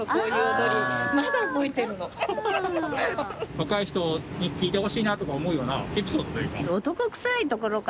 若い人に聴いてほしいなとか思うようなエピソードというか。